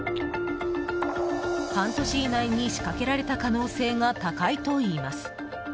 半年以内に仕掛けられた可能性が高いといいます。